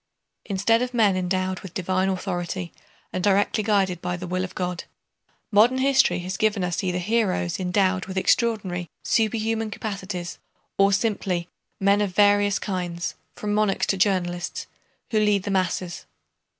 Instead of men endowed with divine authority and directly guided by the will of God, modern history has given us either heroes endowed with extraordinary, superhuman capacities, or simply men of very various kinds, from monarchs to journalists, who lead the masses.